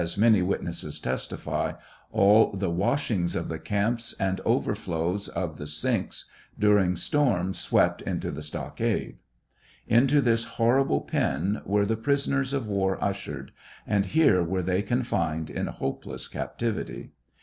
many witnesses testify," all the washings of the camps and overflowings of the sinks during storms swept into the stockade. Into this hor rible pen were the prisoners of war ushered, and here were they confined in hopeless captivity.